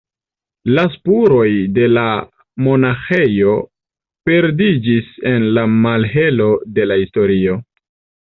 La spuroj de la monaĥejo perdiĝis en la malhelo de la historio.